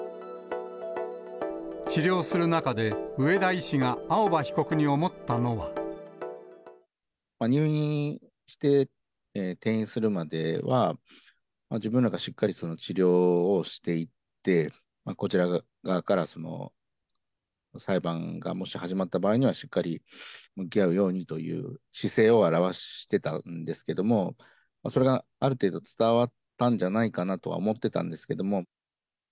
治療する中で、入院して転院するまでは、自分らがしっかり治療をしていって、こちら側から、裁判がもし始まった場合には、しっかり向き合うようにという姿勢を表してたんですけれども、それが、ある程度、伝わったんじゃないかなとは思ってたんですけども。